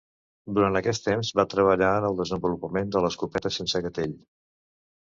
Durant aquest temps, va treballar en el desenvolupament de l'escopeta sense gatell.